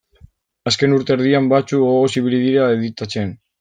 Azken urte erdian batzuk gogoz ibili dira editatzen.